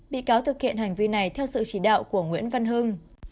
bị cáo thực hiện hành vi này theo sự chỉ đạo của nguyễn văn hưng